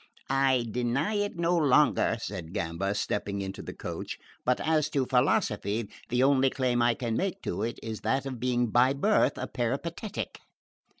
"I deny it no longer," said Gamba stepping into the coach; "but as to philosophy, the only claim I can make to it is that of being by birth a peripatetic."